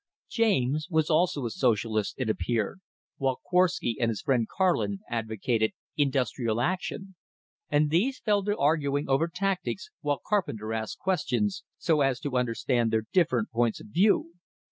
James was also a Socialist, it appeared, while Korwsky and his friend Karlin advocated "industrial action," and these fell to arguing over "tactics," while Carpenter asked questions, so as to understand their different points of view.